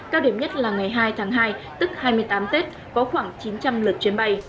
cao điểm nhất là ngày hai tháng hai tức hai mươi tám tết có khoảng chín trăm linh lượt chuyến bay